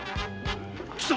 貴様